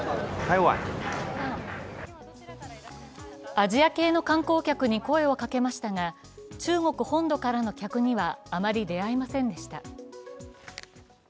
アジア系の観光客に声をかけましたが中国本土からの客にはあまり出会いませんでした。